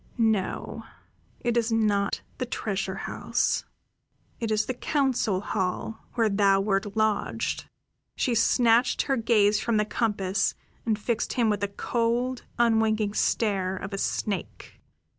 "No, it is not the treasure house. It is the council hall, where thou wert lodged." She snatched her gaze from the compass and fixed him with the cold, unwinking stare of a snake.